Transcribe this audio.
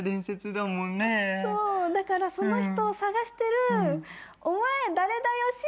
だからその人を探してるお前誰だよ